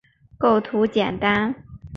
构图简单